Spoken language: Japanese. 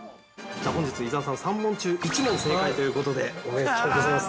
◆本日、伊沢さん、３問中１問正解ということでおめでとうございます。